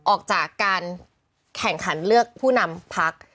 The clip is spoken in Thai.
ออกจากการแข่งขันเลือกผู้นำพัก